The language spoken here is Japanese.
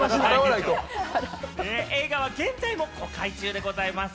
映画は現在も公開中でございます。